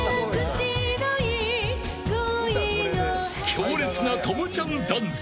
強烈な朋ちゃんダンス。